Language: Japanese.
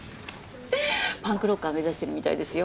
パンクロッカー目指してるみたいですよ。